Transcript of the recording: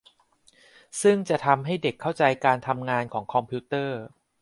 ซึ่งจะทำให้เด็กเข้าใจการทำงานของคอมพิวเตอร์